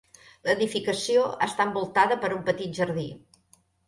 L'edificació està envoltada per un petit jardí.